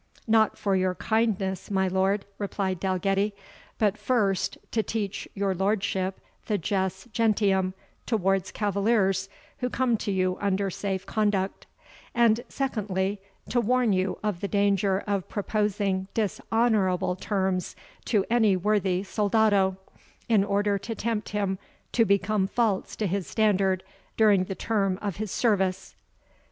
"Not for your kindness, my lord," replied Dalgetty: "but first, to teach your lordship the JUS GENTIUM towards cavaliers who come to you under safe conduct; and secondly, to warn you of the danger of proposing dishonourable terms to any worthy soldado, in order to tempt him to become false to his standard during the term of his service."